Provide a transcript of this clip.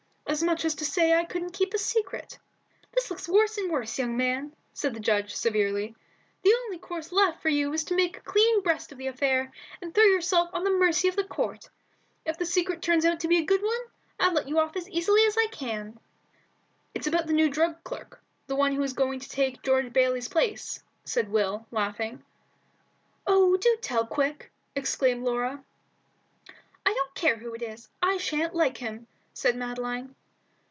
As much as to say I couldn't keep a secret." "This looks worse and worse, young man," said the judge, severely. "The only course left for you is to make a clean breast of the affair, and throw yourself on the mercy of the court. If the secret turns out to be a good one, I'll let you off as easily as I can." "It's about the new drug clerk, the one who is going to take George Bayley's place," said Will, laughing. "Oh, do tell, quick!" exclaimed Laura. "I don't care who it is. I sha'n't like him," said Madeline.